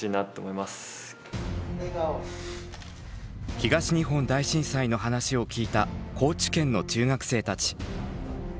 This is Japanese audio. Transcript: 東日本大震災の話を聞いた高知県の中学生たち。